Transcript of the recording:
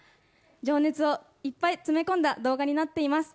情熱をいっぱい詰め込んだ動画になっています